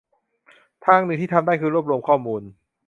ทางหนึ่งที่ทำได้ คือรวบรวมข้อมูล